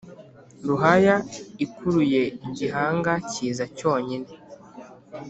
ruhaya ikuruye igihanga kiza cyonyine